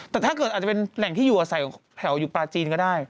แต่ถ้าเกิดอาจจะเป็นแหล่งที่อยู่ประชีนก็ได้